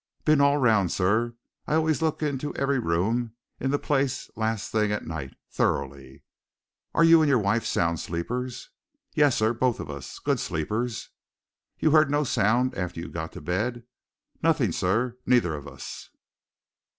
"Been all round, sir I always look into every room in the place last thing at night thoroughly." "Are you and your wife sound sleepers?" "Yes, sir both of us. Good sleepers." "You heard no sound after you got to bed?" "Nothing, sir neither of us."